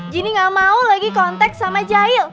jinny gak mau lagi kontak sama jail